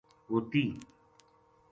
ہوتی